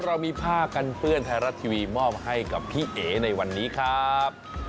เรามีผ้ากันเปื้อนไทยรัฐทีวีมอบให้กับพี่เอ๋ในวันนี้ครับ